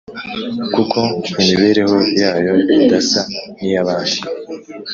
kuko imibereho yayo idasa n’iy’abandi,